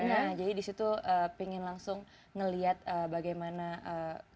nah jadi di situ pengen langsung ngelihat bagaimana kondisi